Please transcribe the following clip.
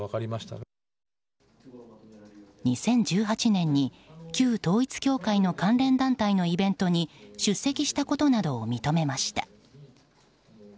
２０１８年に旧統一教会の関連団体のイベントに出席したことなどを認めました。